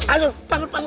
aduh bangun bangun